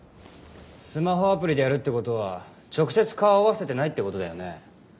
スマホアプリでやるって事は直接顔合わせてないって事だよね。